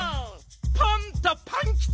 パンタパンキチ！